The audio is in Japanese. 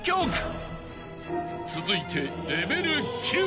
［続いて］